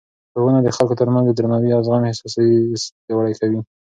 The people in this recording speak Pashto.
ښوونه د خلکو ترمنځ د درناوي او زغم احساس پیاوړی کوي.